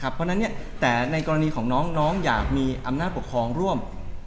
เพราะฉะนั้นแต่ในกรณีของน้องอยากมีอำนาจปกครองร่วม